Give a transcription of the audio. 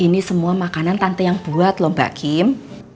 ini semua makanan tante yang buat lho mbak kim